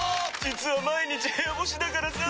実は毎日部屋干しだからさ。